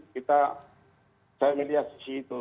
saya melihat di situ